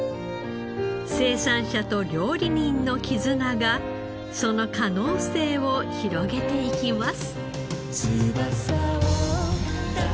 生産者と料理人の絆がその可能性を広げていきます。